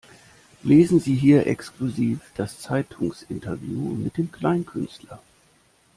Lesen sie hier exklusiv das Zeitungsinterview mit dem Kleinkünstler!